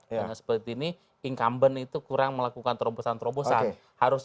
karena seperti ini incumbent itu kurang melakukan terobosan terobosan